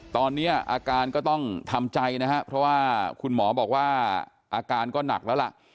ตอนนี้อาการก็ต้องทำใจนะครับเพราะว่าคุณหมอบอกว่าอาการก็หนักแล้วล่ะ